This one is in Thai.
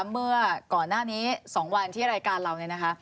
เมื่อก่อนหน้านี้๒วันที่รายการเรา